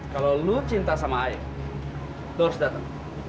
kalau lu cinta sama ayah lu harus dateng